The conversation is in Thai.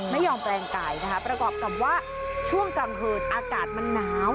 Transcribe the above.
ไม่ยอมแปลงกายนะครับประกอบกับว่าช่วงกำเผิดอากาศมันหนาว